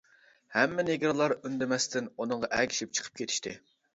ھەممە نېگىرلار ئۈندىمەستىن ئۇنىڭغا ئەگىشىپ چىقىپ كېتىشتى.